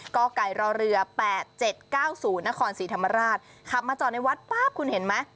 ก็ไกลรอเรือแปดเจ็ดเก้าสู่นครสีธรรมราชขับมาจอในวัดป้าบคุณเห็นไหม